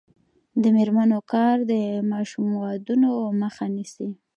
د میرمنو کار د ماشوم ودونو مخه نیسي.